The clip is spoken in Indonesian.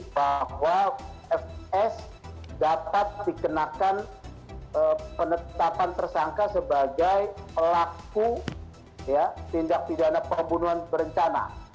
bahwa fs dapat dikenakan penetapan tersangka sebagai pelaku tindak pidana pembunuhan berencana